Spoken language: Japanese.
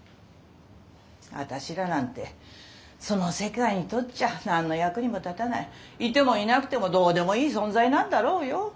私らなんてその世界にとっちゃ何の役にも立たないいてもいなくてもどうでもいい存在なんだろうよ。